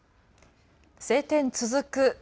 晴天続く。